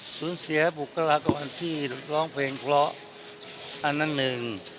สูญเสียบุคลากรที่ร้องเพลงเพราะอันนั้นหนึ่ง